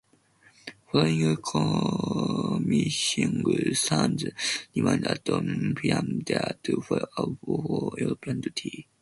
Following commissioning, "Sands" remained at Philadelphia to fit out for European duty.